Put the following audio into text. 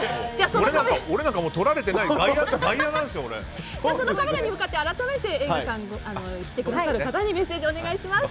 そのカメラに向かって改めて映画館に来てくださる方にメッセージをお願いします。